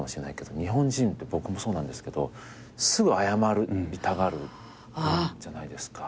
日本人って僕もそうなんですけどすぐ謝りたがるじゃないですか。